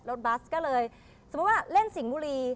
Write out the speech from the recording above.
บัสก็เลยสมมุติว่าเล่นสิงห์บุรี